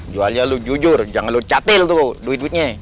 jualnya lo jujur jangan lo catil tuh duit duitnya